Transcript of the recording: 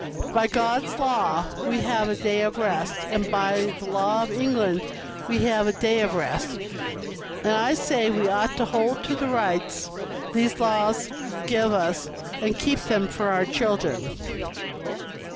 By God's law we have a day of rest, and by the law of England we have a day of rest; and I say we ought to hold to the rights these laws give us and keep them for our children."